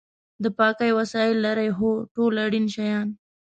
د پاکۍ وسایل لرئ؟ هو، ټول اړین شیان